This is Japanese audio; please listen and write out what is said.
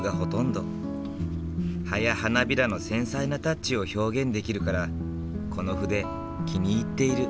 葉や花びらの繊細なタッチを表現できるからこの筆気に入っている。